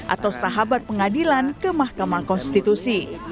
atau sahabat pengadilan ke mahkamah konstitusi